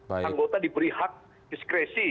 anggota diberi hak diskresi